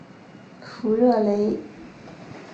弗热雷。